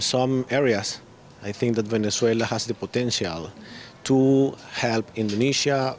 saya pikir bahwa venezuela memiliki potensi untuk membantu indonesia